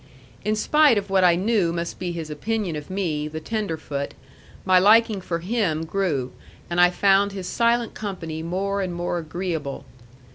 In spite of what I knew must be his opinion of me, the tenderfoot, my liking for him grew, and I found his silent company more and more agreeable.